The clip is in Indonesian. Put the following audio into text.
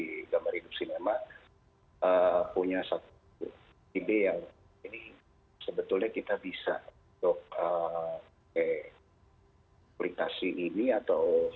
di gambar hidup sinema punya satu ide yang ini sebetulnya kita bisa untuk kulitasi ini atau